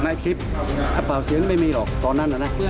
ในคลิปเปล่าเสียงไม่มีหรอกตอนนั้นน่ะนะ